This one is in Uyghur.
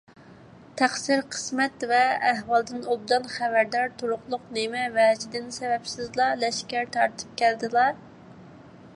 تەقسىر، قىسمەت ۋە ئەھۋالدىن ئوبدان خەۋەردار تۇرۇقلۇق، نېمە ۋەجىدىن سەۋەبسىزلا لەشكەر تارتىپ كەلدىلە؟